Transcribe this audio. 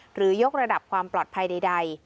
ยกระดับความปลอดภัยใด